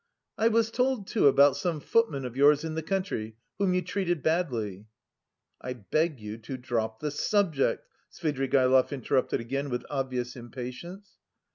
"I was told too about some footman of yours in the country whom you treated badly." "I beg you to drop the subject," Svidrigaïlov interrupted again with obvious impatience.